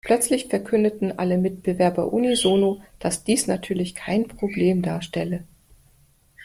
Plötzlich verkündeten alle Mitbewerber unisono, dass dies natürlich kein Problem darstelle.